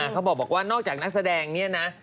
เขาบอกว่านอกจากนักแสดงเนี่ยนะ